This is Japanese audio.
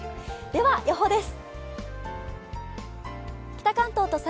では予報です。